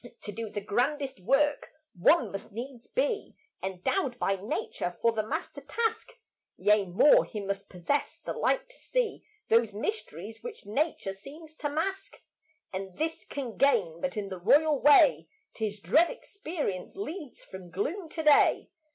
To do the grandest work one must needs be Endowed by Nature for the master task; Yea more, he must possess the light to see Those mysteries which nature seems to mask, And this can gain but in the royal way 'Tis dread experience leads from gloom to day.